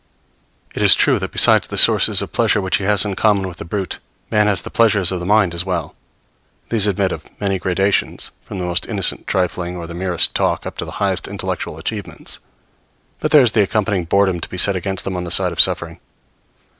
It is true that besides the sources of pleasure which he has in common with the brute, man has the pleasures of the mind as well. These admit of many gradations, from the most innocent trifling or the merest talk up to the highest intellectual achievements; but there is the accompanying boredom to be set against them on the side of suffering.